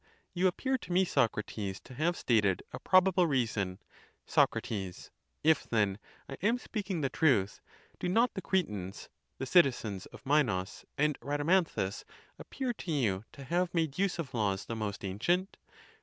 You appear to me, Socrates, to have stated a probable. reason. Soc. If then I am speaking the truth, do not the Cretans, the citizens of Minos and Rhadamanthus, appear to you to have made use of laws the most ancient?